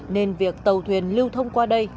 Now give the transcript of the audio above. nên việc tàu thuyền lưu thông qua đây